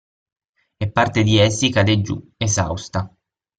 E parte di essi cade giù, esausta.